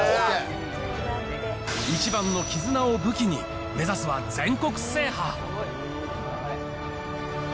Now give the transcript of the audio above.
一番の絆を武器に、目指すは全国制覇。